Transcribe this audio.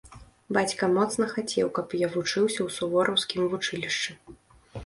Бацька моцна хацеў, каб я вучыўся ў сувораўскім вучылішчы.